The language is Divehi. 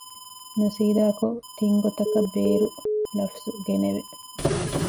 ނުސީދާކޮށް ތިން ގޮތަކަށް ބޭރު ލަފުޒު ގެނެވެ